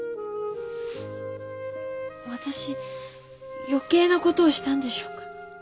私余計なことをしたんでしょうか。